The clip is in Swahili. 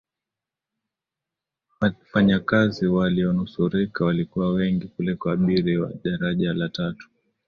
wafanyakazi waliyonusurika walikuwa wengi kuliko abiri wa daraja la tatu